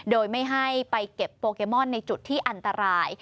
โดยไม่ให้ไปเก็บโปเกมอนในจุดที่อันตราย